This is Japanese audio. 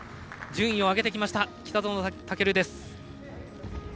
順位を上げてきました、北園丈琉。